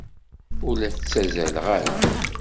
Ur la ttazzaleɣ ara.